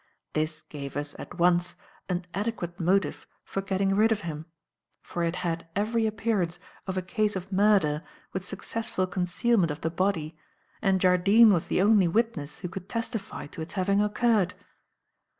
This gave us, at once, an adequate motive for getting rid of him; for it had every appearance of a case of murder with successful concealment of the body, and Jardine was the only witness who could testify to its having occurred.